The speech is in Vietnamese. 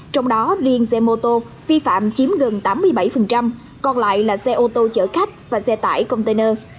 trong đó riêng xe mô tô vi phạm chiếm gần tám mươi bảy còn lại là xe ô tô chở khách và xe tải container